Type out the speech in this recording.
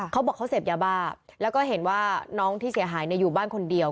เขาบอกเขาเสพยาบ้าแล้วก็เห็นว่าน้องที่เสียหายอยู่บ้านคนเดียว